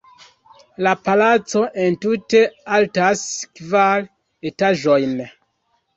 La palaco entute altas kvar etaĝojn.